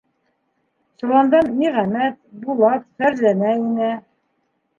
Соландан Ниғәмәт, Булат, Фәрзәнә инә.